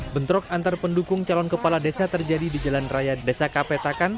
bentrok antar pendukung calon kepala desa terjadi di jalan raya desa kapetakan